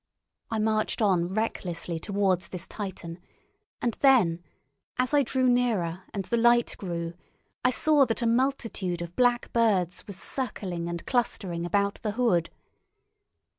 I marched on recklessly towards this Titan, and then, as I drew nearer and the light grew, I saw that a multitude of black birds was circling and clustering about the hood.